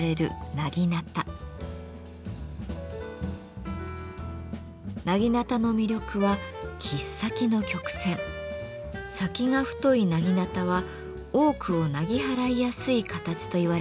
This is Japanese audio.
先が太い薙刀は多くを薙ぎ払いやすい形といわれています。